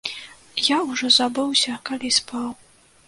Я ўжо забыўся, калі спаў.